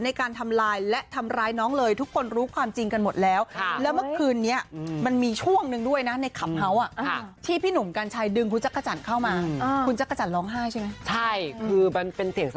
ที่ประมาณว่ามีคนให้พูดแสดงความทิ้งเห็น